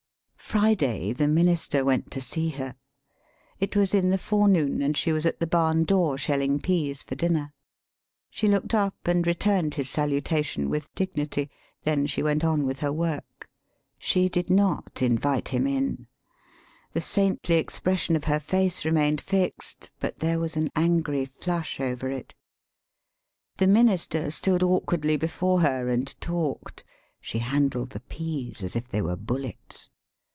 ] Friday the minister went to see her. It was in the forenoon, and she was at the barn door shelling pease for dinner. She looked up and returned his salutation with dignity, then she went on with her work. [She did not invite him in. The saintly expression of her face remained fixed, but there was an angry flush over it.] The minister stood awkwardly before her and talked. [She handled the pease as if they were bullets.